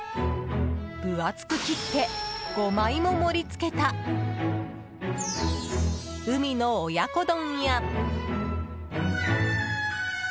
分厚く切って５枚も盛り付けた海の親子丼や。